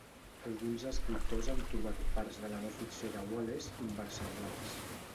Alguns escriptors han trobat parts de la no ficció de Wallace inversemblants.